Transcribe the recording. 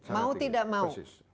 mau tidak mau